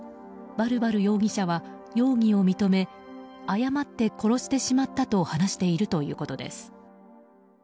バルバル容疑者は容疑を認め誤って殺してしまったと話しているということです。